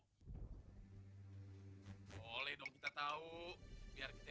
hai boleh dong kita tahu biar kita